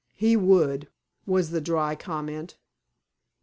"He would," was the dry comment.